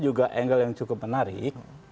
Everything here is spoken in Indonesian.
juga angle yang cukup menarik